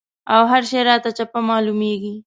او هر شی راته چپه معلومېږي.